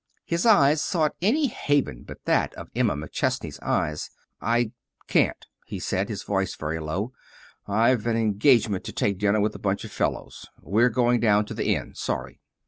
His eyes sought any haven but that of Emma McChesney's eyes. "I can't," he said, his voice very low. "I've an engagement to take dinner with a bunch of the fellows. We're going down to the Inn. Sorry."